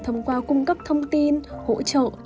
thông qua cung cấp thông tin hỗ trợ